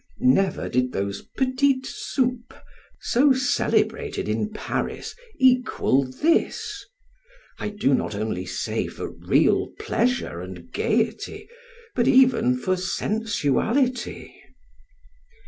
Never did those 'petite soupes', so celebrated in Paris, equal this; I do not only say for real pleasure and gayety, but even for sensuality.